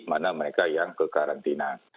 mana mereka yang kekarantina